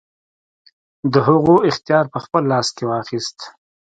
د هغو اختیار په خپل لاس کې واخیست.